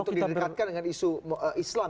untuk didekatkan dengan isu islam